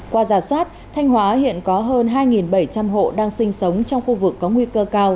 qua giả soát thanh hóa hiện có hơn hai bảy trăm linh hộ đang sinh sống trong khu vực có nguy cơ cao